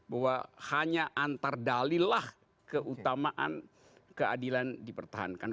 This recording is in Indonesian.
bahwa hanya antar dalillah keutamaan keadilan dipertahankan